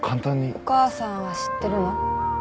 お母さんは知ってるの？